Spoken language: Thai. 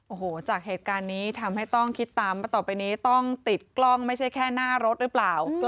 โอ้โหจากเหตุการณ์นี้ทำให้ต้องคิดตามว่าต่อไปนี้ต้องติดกล้องไม่ใช่แค่หน้ารถหรือเปล่า